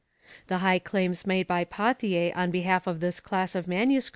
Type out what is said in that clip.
The high claims made by Pauthier on behalf of this class of MSS.